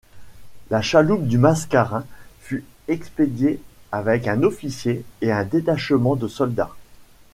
La chaloupe du Mascarin fut expédiée avec un officier et un détachement de soldats.